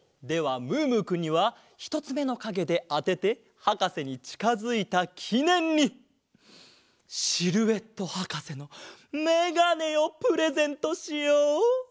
ではムームーくんにはひとつめのかげであててはかせにちかづいたきねんにシルエットはかせのメガネをプレゼントしよう！